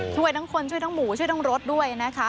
ช่วยทั้งคนช่วยทั้งหมูช่วยทั้งรถด้วยนะคะ